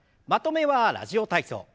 まとめは「ラジオ体操」。